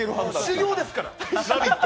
修業ですから、「ラヴィット！」